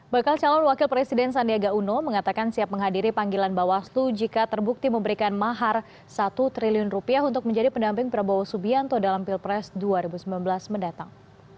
bakal calon wakil presiden sandiaga uno mengatakan siap menghadiri panggilan bawaslu jika terbukti memberikan mahar rp satu triliun rupiah untuk menjadi pendamping prabowo subianto dalam pilpres dua ribu sembilan belas mendatang